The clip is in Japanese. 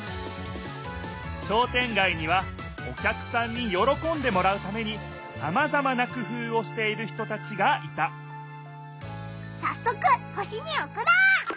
商店街にはお客さんによろこんでもらうためにさまざまなくふうをしている人たちがいたさっそく星におくろう！